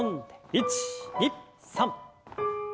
１２３。